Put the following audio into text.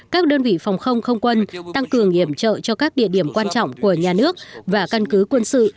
các đơn vị phòng không không quân tăng cường hiểm trợ cho các địa điểm quan trọng của nhà nước và căn cứ quân sự